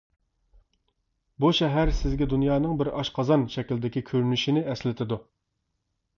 بۇ شەھەر سىزگە دۇنيانىڭ بىر ئاشقازان شەكلىدىكى كۆرۈنۈشىنى ئەسلىتىدۇ.